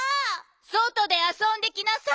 そとであそんできなさい！